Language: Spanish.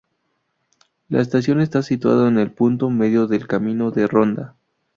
La estación está situada en el punto medio del Camino de Ronda.